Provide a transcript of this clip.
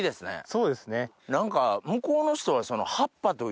そうですね。